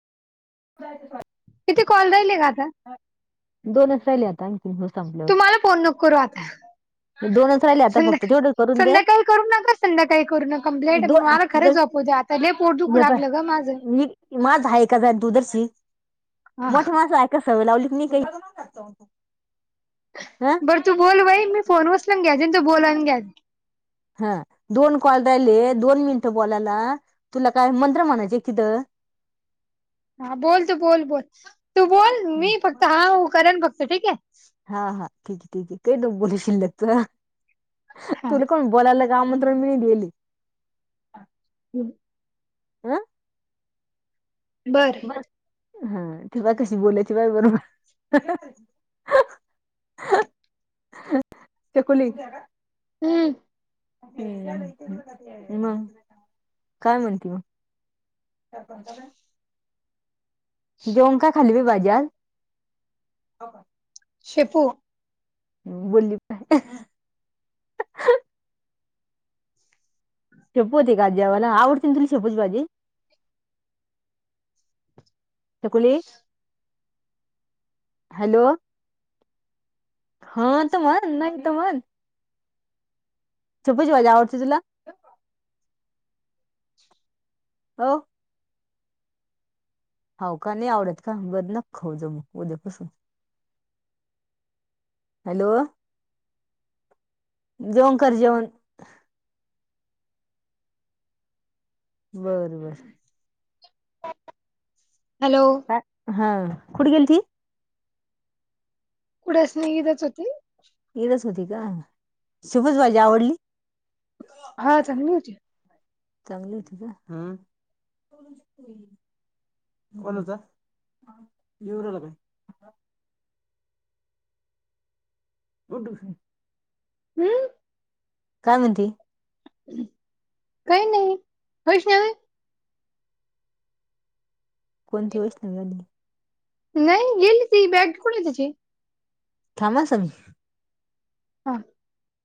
[unintelligible] किती कॉल राहिले ग आता? दोनच राहिले आता आणखीन हे संपल्यावर. तुम्हाला फोन नको करू आता. ते दोनच राहिले आता फक्त संध्याकाळी तेवढंच. संध्याकाळी करू नका, संध्याकाळी करू नका. [unintelligible] दोन मला आता खरं जर झोपू दे आता. लई पोट दुखु हे पाय, लागलं ग माझं. मी माझं आहे का दुदर्शी हा मोठे माणसात काय सवय लावलीच नाही काही. बरं तू बोल बाई मी फोन उचलून घे जाईन तू बोलून घे जा. हा दोन कॉल राहिले दोन मिनिटं बोलायला. तुला काय मंत्र म्हणायचे का तिथं? हा बोल तू बोल बोल. तू बोल मी फक्त हा हो करेन फक्त ठीक आहे? हा हा ठीक आहे ठीक आहे. ते दोघे बोलू शिल्लक हा तुला कोण बोलायला आमंत्रण नाही दिली. हम्म. हं. बरं. बर हा. तेव्हा कशी बोलती बाई बरोबर. ते कोणी हम्म. हम्म. मग काय म्हणते मग? [unintelligible] जेवण काय खाल्ली बाई भाजी आज? शेपू. हम्म बोलली पाय. शेपू होती काय आज जेवायला? आवडते ना तुला शेपूची भाजी? छकुली हॅलो. हा तर म्हण, नाही तर म्हण. शेपूची भाजी आवडते तुला? हो. हो का, नाही आवडत का? बर नको खात जाऊ मग उद्यापासून. हॅलो. जेवण कर जेवण. बर बर. हॅलो. हा कुठं गेलती? कुठेच नाही इथंच होती. इथंच होती का‌. शेपूची भाजी आवडली? हा चांगली होती चांगली होती का? हम्म. कोण होत युवराला काय. [unintelligible] हम्म. काय म्हणती. काही नाही वैष्णवी. कोणती वैष्णवी आली. नाही गेली ती बॅग कुठेये तिची थांब हा समी. हा